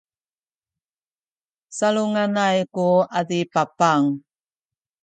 salunganay ku adipapang